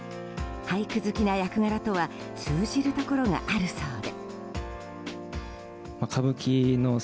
俳句好きな役柄とは通じるところがあるそうで。